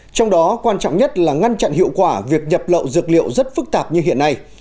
trong đó quan trọng nhất là ngăn chặn hiệu quả việc nhập lậu dược liệu rất phức tạp như hiện nay